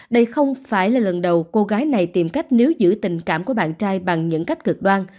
đây không phải là lần đầu cô gái này tìm cách nếu giữ tình cảm của bạn trai bằng những cách cực đoan